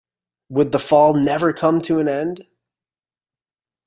Would the fall never come to an end!